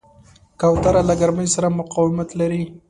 کوتره له ګرمۍ سره مقاومت لري.